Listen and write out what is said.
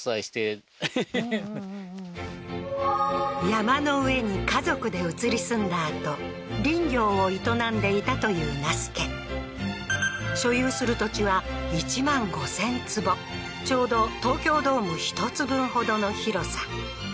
山の上に家族で移り住んだあと林業を営んでいたという那須家所有する土地は１５０００坪ちょうど東京ドーム１つ分ほどの広さ